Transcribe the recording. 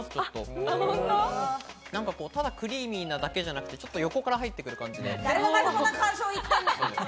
ただクリーミーなだけではなくて、横から入ってくる感じ。